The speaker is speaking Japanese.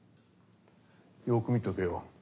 よく見ておけよ。